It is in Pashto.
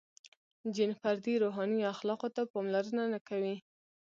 • جن فردي روحاني اخلاقو ته پاملرنه نهکوي.